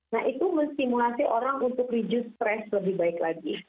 nah itu menstimulasi orang untuk reduce stress lebih baik lagi